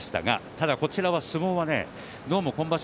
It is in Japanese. ただこちらは相撲はどうも今場所